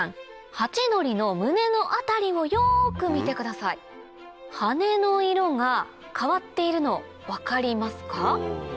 ハチドリの胸の辺りをよく見てください羽の色が変わっているの分かりますか？